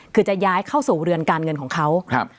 คือจะย้ายเข้าสู่เรือนการเงินของเขาครับ